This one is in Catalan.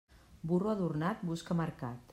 Burro adornat busca mercat.